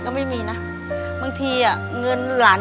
ขอบคุณครับ